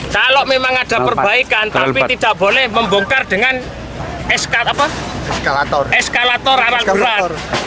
kalau memang ada perbaikan tapi tidak boleh membongkar dengan eskalator alat berat